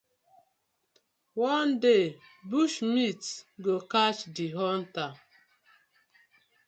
One day bush meat go catch the hunter: